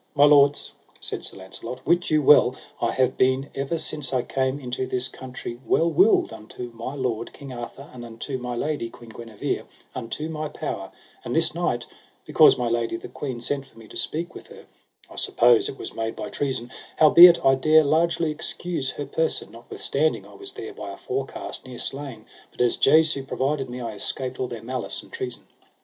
My lords, said Sir Launcelot, wit you well, I have been ever since I came into this country well willed unto my lord, King Arthur, and unto my lady, Queen Guenever, unto my power; and this night because my lady the queen sent for me to speak with her, I suppose it was made by treason, howbeit I dare largely excuse her person, notwithstanding I was there by a forecast near slain, but as Jesu provided me I escaped all their malice and treason.